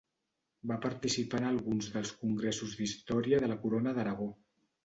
Va participar en alguns dels Congressos d'Història de la Corona d'Aragó.